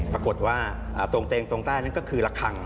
ปรากฏว่าตรงเต็งตรงใต้นั้นก็คือละครั้ง